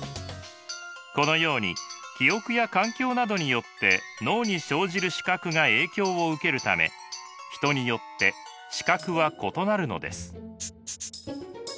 このように記憶や環境などによって脳に生じる視覚が影響を受けるため人によって視覚は異なるのです。